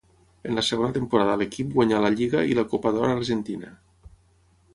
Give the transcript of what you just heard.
En la segona temporada a l'equip guanyà la lliga i la Copa d'Or Argentina.